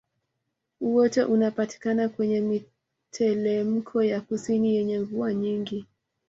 Uoto unapatikana kwenye mitelemko ya kusini yenye mvua nyingi